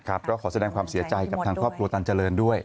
ก็ขอแสดงความเสียใจกับทางครอบครัวตันเจริญด้วย